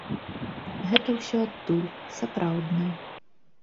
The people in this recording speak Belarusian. Гэта ўсё адтуль, сапраўднае.